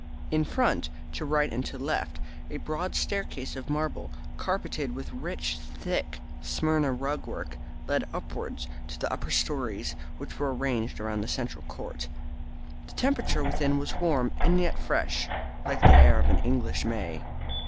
In front, to right and to left, a broad staircase of marble, carpeted with rich thick Smyrna rug work, led upwards to the upper storeys, which were arranged around the central court. The temperature within was warm and yet fresh, like the air of an English May.